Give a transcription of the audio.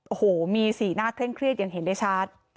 โอ้โหมีสีหน้าเคร่งเครียดอย่างเห็นได้ชัด